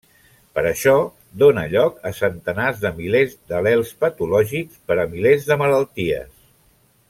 Per això dóna lloc a centeners de milers d'al·lels patològics per a milers de malalties.